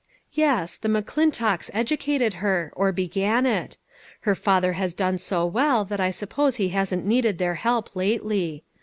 Yes, the McClintocks educated her, or began it ; her father has done so well that I suppose he hasn't needed their help lately.